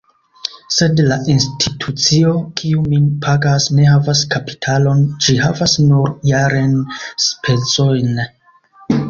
Sed la institucio, kiu min pagas, ne havas kapitalon; ĝi havas nur jarenspezojn.